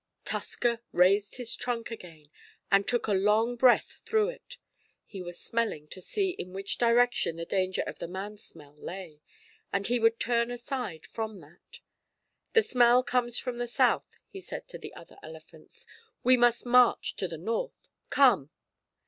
Tusker raised his trunk again, and took a long breath through it. He was smelling to see in which direction the danger of the man smell lay, and he would turn aside from that. "The smell comes from the South," he said to the other elephants. "We must march to the North! Come!"